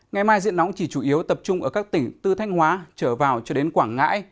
ngày mai diện nóng chỉ chủ yếu tập trung ở các tỉnh từ thanh hóa trở vào cho đến quảng ngãi